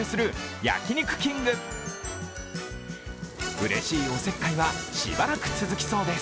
うれしいおせっかいはしばらく続きそうです。